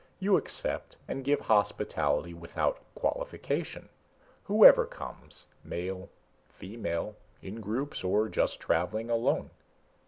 You accept and give hospitality without qualification. Whoever comes. Male ... female ... in groups or just traveling alone...."